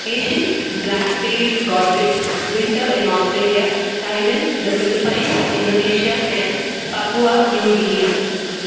Asian black-tailed godwits winter in Australia, Taiwan, the Philippines, Indonesia, and Papua New Guinea.